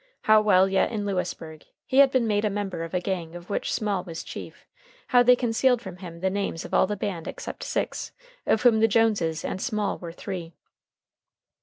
How, while yet in Lewisburg, he had been made a member of a gang of which Small was chief; how they concealed from him the names of all the band except six, of whom the Joneses and Small were three.